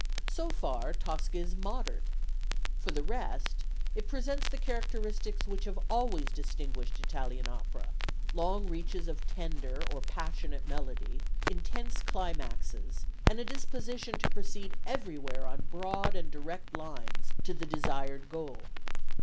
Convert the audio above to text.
So far Tosca is modern; for the rest it presents the characteristics which have always distinguished Italian opera long reaches of tender or passionate melody, intense climaxes, and a disposition to proceed everywhere on broad and direct lines to the desired goal."